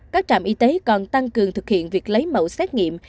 các trạm y tế còn tăng cường thực hiện việc lấy mẫu xét nghiệm